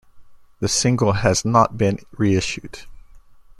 The single has not been reissued.